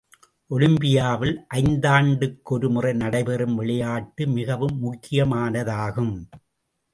ஒலிம்பியாவில் ஐந்தாண்டுகளுக்கொரு முறை நடைபெறும் விளையாட்டு மிகவும் முக்கியமானதாகும்.